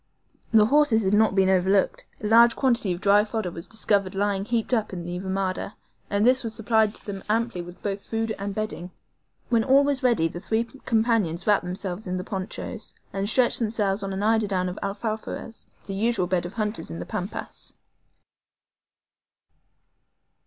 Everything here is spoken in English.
The horses had not been overlooked. A large quantity of dry fodder was discovered lying heaped up in the RAMADA, and this supplied them amply with both food and bedding. When all was ready the three companions wrapped themselves in the ponchos, and stretched themselves on an eiderdown of ALFAFARES, the usual bed of hunters on the Pampas.